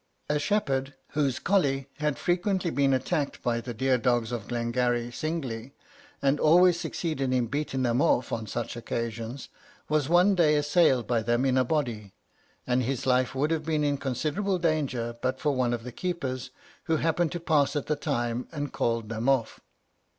A shepherd, whose colley had frequently been attacked by the deer dogs of Glengarry singly, and always succeeded in beating them off on such occasions, was one day assailed by them in a body; and his life would have been in considerable danger, but for one of the keepers, who happened to pass at the time, and called them off.